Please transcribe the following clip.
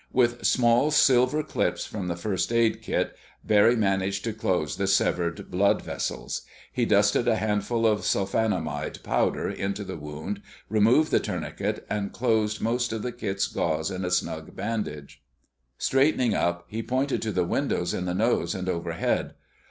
With small silver clips from the first aid kit, Barry managed to close the severed blood vessels. He dusted a handful of sulfanilamide powder into the wound, removed the tourniquet, and used most of the kit's gauze in a snug bandage. Straightening up, he pointed to the windows in the nose and overhead.